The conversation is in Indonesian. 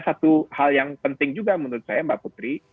satu hal yang penting juga menurut saya mbak putri